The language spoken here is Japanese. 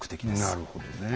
なるほどねえ。